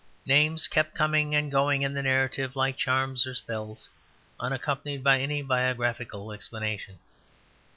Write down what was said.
Names kept coming and going in the narrative like charms or spells, unaccompanied by any biographical explanation.